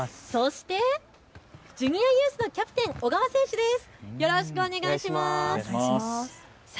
そしてジュニアユースのキャプテン、小川選手です。